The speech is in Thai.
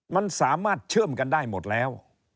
มันสามารถเชื่อมกันได้หมดแล้ว